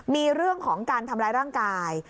มีเรื่องของการทำร้ายร่างกาย